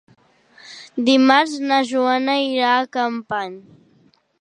Dimarts na Joana irà a Capmany.